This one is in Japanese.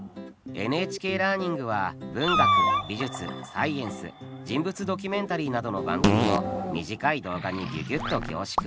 「ＮＨＫラーニング」は文学美術サイエンス人物ドキュメンタリーなどの番組を短い動画にギュギュッと凝縮。